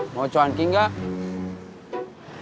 mau cuan ki gak